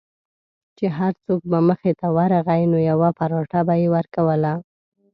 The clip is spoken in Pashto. چې هر څوک به مخې ته ورغی نو یوه پراټه به یې ورکوله.